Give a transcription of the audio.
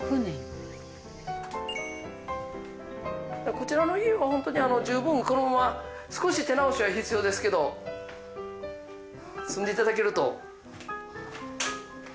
こちらの家は本当に十分このまま少し手直しは必要ですけど住んでいただけると。